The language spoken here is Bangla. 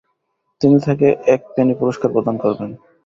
তিনি তাকে এক পেনি পুরস্কার প্রদান করবেন।